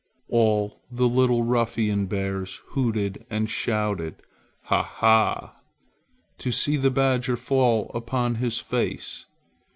All the little ruffian bears hooted and shouted "ha ha!" to see the beggar fall upon his face.